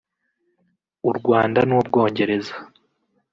u Rwanda n’u Bwongereza